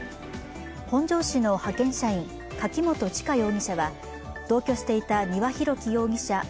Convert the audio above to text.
本庄市の派遣社員、柿本知香容疑者は同居していた、丹羽洋樹容疑者